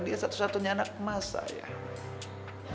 dia satu satunya anak mas sayang